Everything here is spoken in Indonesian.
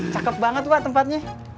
cakep banget pak tempatnya